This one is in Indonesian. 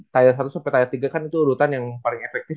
taya satu sampai tayat tiga kan itu urutan yang paling efektif